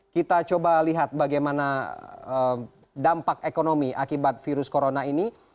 kita coba lihat bagaimana dampak ekonomi akibat virus corona ini